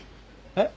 えっ？